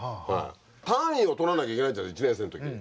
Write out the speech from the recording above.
単位を取らなきゃいけないじゃない１年生の時に。